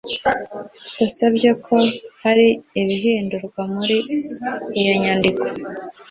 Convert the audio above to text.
kidasabye ko hari ibihindurwa muri iyo nyandiko